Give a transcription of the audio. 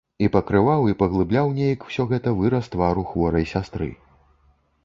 І пакрываў, і паглыбляў нейк усё гэта выраз твару хворай сястры.